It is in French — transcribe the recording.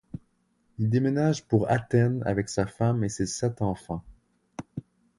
Il déménage pour Athènes avec sa femme et ses sept enfants.